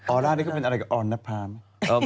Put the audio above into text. ออร่านี่เขาเป็นอะไรกับอ้อนนะภามั้ย